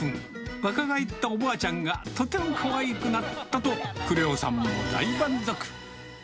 若返ったおばあちゃんがとてもかわいくなったと、クレオさんも大満足。